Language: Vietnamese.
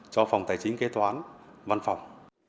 cho phòng tài chính kế toán văn phòng